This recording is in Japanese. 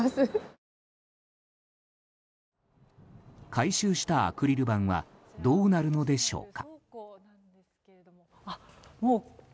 回収したアクリル板はどうなるのでしょうか。